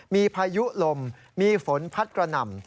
มีพายุลมมีฝนพัดกระหน่ำ